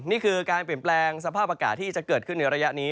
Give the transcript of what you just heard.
นี่คือการเปลี่ยนแปลงสภาพอากาศที่จะเกิดขึ้นในระยะนี้